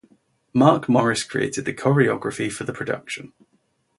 Mark Morris created the choreography for the production.